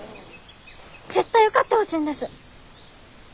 絶対受かってほしいんです。